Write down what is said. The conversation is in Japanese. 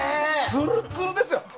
ツルツルですよ。